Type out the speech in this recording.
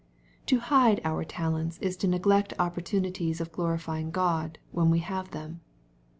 To hide our talent is to neglect opportunities of glori fying God, when we have them.